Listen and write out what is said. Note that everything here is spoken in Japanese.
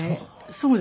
そうです。